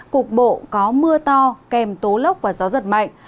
cục bộ có mưa to kèm tố lốc và gió giật mạnh